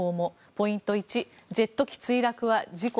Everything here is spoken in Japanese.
ポイント１、ジェット機墜落は事故？